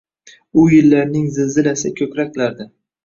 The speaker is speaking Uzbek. U yillarning zilzilasi ko’kraklarda